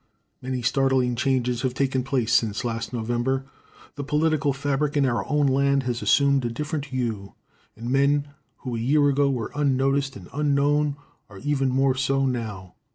Many startling changes have taken place since last November. The political fabric in our own land has assumed a different hue, and men who a year ago were unnoticed and unknown are even more so now.